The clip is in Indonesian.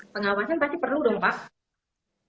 pengawasan pasti perlu dong pak